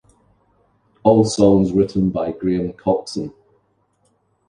All songs written by Graham Coxon.